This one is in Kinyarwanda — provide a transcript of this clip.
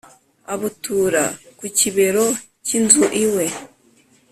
abutura ku kibero cy’inzu iwe.